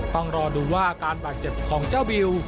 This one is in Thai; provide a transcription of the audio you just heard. ต้องรอดูว่าอาการบาดเจ็บของเจ้าบิว